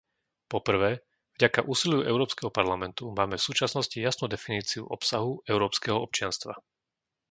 Po prvé, vďaka úsiliu Európskeho parlamentu máme v súčasnosti jasnú definíciu obsahu európskeho občianstva.